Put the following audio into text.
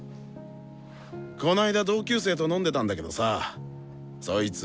この間同級生と飲んでたんだけどさそいつ